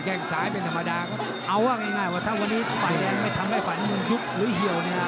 งซ้ายเป็นธรรมดาก็เอาว่าง่ายว่าถ้าวันนี้ฝ่ายแดงไม่ทำให้ฝันมันยุบหรือเหี่ยวเนี่ย